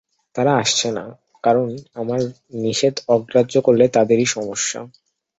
তারা আসছে না, কারণ আমার নিষেধ অগ্রাহ্য করলে তাদেরই সমস্যা।